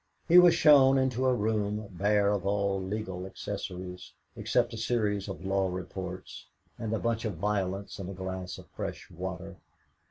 He was shown into a room bare of all legal accessories, except a series of Law Reports and a bunch of violets in a glass of fresh water.